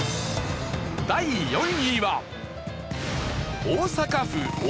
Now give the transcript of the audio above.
第４位は。